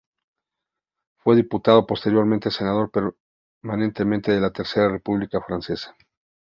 Fue diputado y posteriormente senador permanente de la Tercera república francesa.